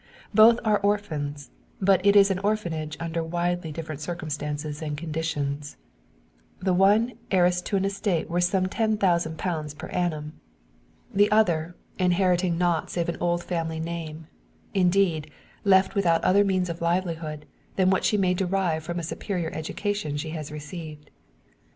Both are orphans; but it is an orphanage under widely different circumstances and conditions: the one heiress to an estate worth some ten thousand pounds per annum; the other inheriting nought save an old family name indeed, left without other means of livelihood, than what she may derive from a superior education she has received.